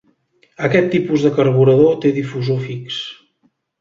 Aquest tipus de carburador té difusor fix.